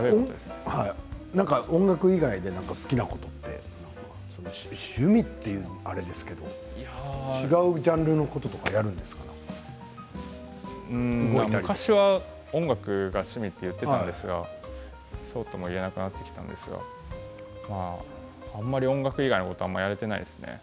音楽以外で好きなことって趣味というのもあれですけど違うジャンルのこととか昔は音楽が趣味だったんですけどそうとも言えなくなってきたのであまり音楽以外のことはやれていないですね。